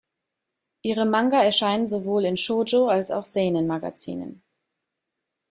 Ihre Manga erscheinen sowohl in Shōjo- als auch Seinen-Magazinen.